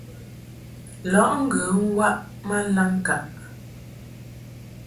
Lɔʼ ŋgə waʼ ma laŋŋkaʼ.